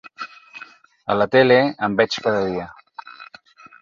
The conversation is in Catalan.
A la tele en veig cada dia.